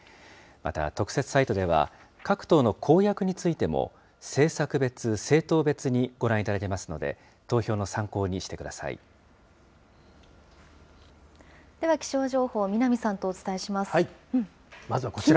また特設サイトでは、各党の公約についても、政策別・政党別にご覧いただけますので、投票の参考にしてくださでは気象情報、南さんとお伝まずはこちら。